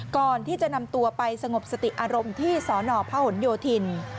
ก่อนที่จะนำตัวไปสงบสติอารมณ์ที่สนพหนโยธิน